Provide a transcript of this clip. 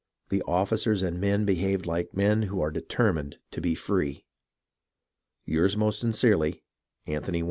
Our officers and men behaved Uke men who are deter mined to be free. Yours most sincerely, Ant'y Wayne.